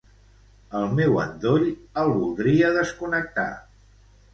El meu endoll el voldria desconnectar.